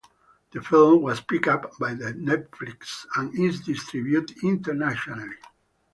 The film was picked up by Netflix and is distributed internationally.